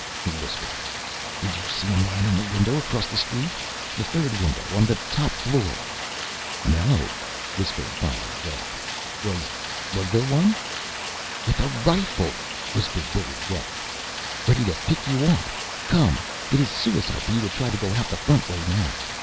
he whispered. "Did you see a man in the window across the street? The third window on the top floor?" "No," whispered Philo Gubb. "Was was there one?" "With a rifle!" whispered Billy Getz. "Ready to pick you off. Come! It is suicide for you to try to go out the front way now.